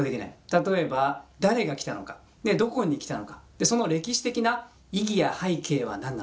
例えば誰が来たのかどこに来たのかその歴史的な意義や背景は何なのか。